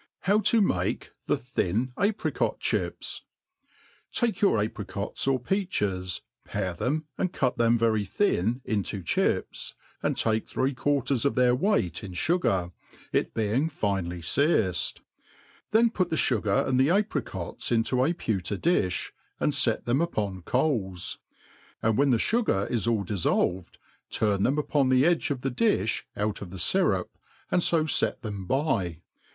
H9Uf ,t9 maki the thin Jpricot Qhips. TAKE your apricots or peaches, pare them and cut them Tery thin into chips, and take three quarters of their weight in fugar, it being finely fearced $ then put the fugar and the apri cots into a pewter difh, and fet them upon coals ; and when the fugar is all difTolved, turn them upon the edge of the diih out of the fyrup, and fo fet them by.